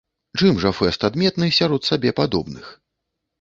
Чым жа фэст адметны сярод сабе падобных?